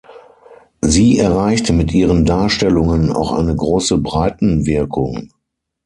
Sie erreichte mit ihren Darstellungen auch eine große Breitenwirkung.